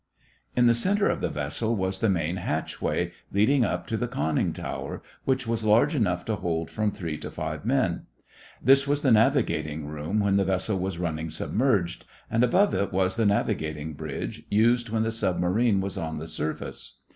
In the center of the vessel was the main hatchway, leading up to the conning tower, which was large enough to hold from three to five men. This was the navigating room when the vessel was running submerged, and above it was the navigating bridge, used when the submarine was on the surface.